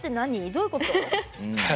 どういうこと？